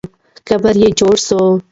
قبر یې جوړ سو.